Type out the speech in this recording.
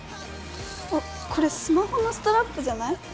あっこれスマホのストラップじゃない？